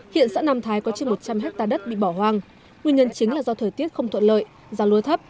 hiện xã nam thái có trên một trăm linh hectare đất bị bỏ hoang nguyên nhân chính là do thời tiết không thuận lợi giá lúa thấp